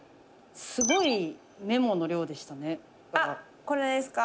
あこれですか？